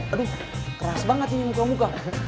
aduh keras banget ini muka muka